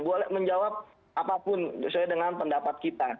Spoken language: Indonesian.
boleh menjawab apapun sesuai dengan pendapat kita